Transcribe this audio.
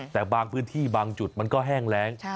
แต่บางพื้นที่บางจุดมันก็แห้งแรง